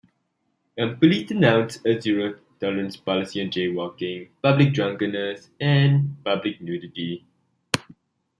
Police announced a zero-tolerance policy on jaywalking, public drunkenness and public nudity.